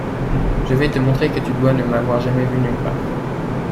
Je vais te montrer que tu dois ne m’avoir jamais vu nulle part.